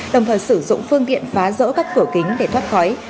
đồng thời sử dụng phương tiện phá rỡ các cửa kính để thoát khói